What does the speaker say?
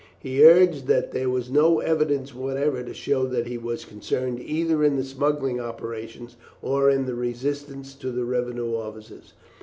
He urged that there was no evidence whatever to show that he was concerned either in the smuggling operations or in the resistance to the revenue officers.